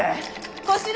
小四郎